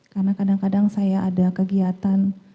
karena kadang kadang saya ada kegiatan